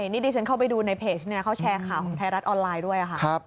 นี่ดิฉันเข้าไปดูในเพจเนี่ยเขาแชร์ข่าวของไทยรัฐออนไลน์ด้วยค่ะ